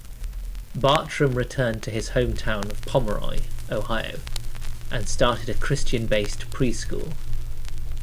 Bartrum returned to his home town of Pomeroy, Ohio and started a Christian-based pre-school.